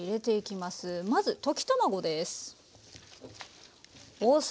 まず溶き卵です。